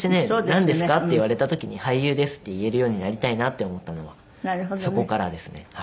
「なんですか？」って言われた時に俳優ですって言えるようになりたいなって思ったのはそこからですね。